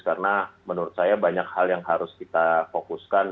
karena menurut saya banyak hal yang harus kita fokuskan